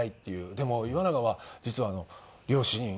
でも岩永は実は両親とももう。